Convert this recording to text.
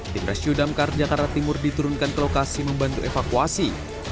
tim rescue damkar jakarta timur diturunkan ke lokasi membantu evakuasi